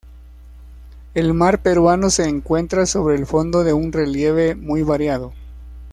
El mar peruano se encuentra sobre el fondo de un relieve muy variado.